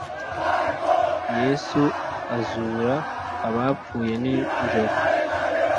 yesu azura abapfuye ninjoro